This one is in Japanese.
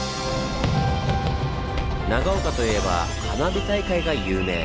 長岡といえば花火大会が有名。